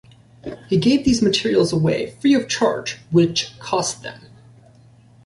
He gave these materials away free of charge, which cost them.